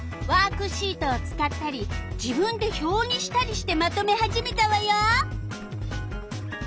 ワークシートを使ったり自分で表にしたりしてまとめ始めたわよ！